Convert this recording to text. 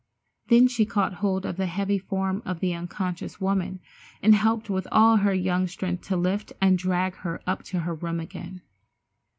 Then she caught hold of the heavy form of the unconscious woman and helped with all her young strength to lift and drag her up to her room again.